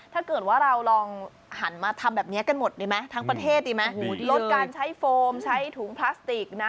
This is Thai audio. ถ้าเกิดว่าเราลองหันมาทำแบบนี้กันหมดดีไหมทั้งประเทศดีไหมลดการใช้โฟมใช้ถุงพลาสติกนะ